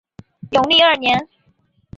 永历二年。